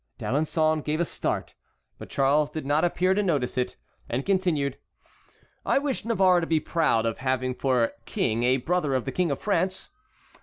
D'Alençon gave a start, but Charles did not appear to notice it, and continued: "I wish Navarre to be proud of having for king a brother of the King of France.